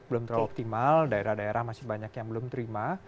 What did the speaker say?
belum terlalu optimal daerah daerah masih banyak yang belum terima